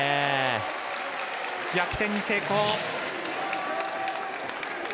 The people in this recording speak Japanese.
逆転に成功。